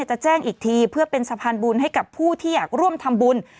จะแจ้งอีกทีเพื่อเป็นสะพานบุญให้กับผู้ที่อยากร่วมทำบุญ